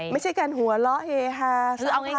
ไม่ใช่การหัวเราะเฮฮ่าสร้างภาพ